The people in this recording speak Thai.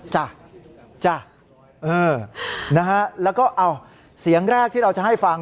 จ้ะแล้วก็เสียงแรกที่เราจะให้ฟัง